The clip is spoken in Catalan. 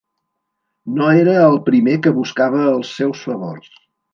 No era el primer que buscava els seus favors.